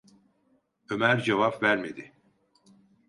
Ömer cevap vermedi.